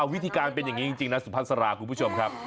วิธีการเป็นอย่างนี้จริงนะสุพัสราคุณผู้ชมครับ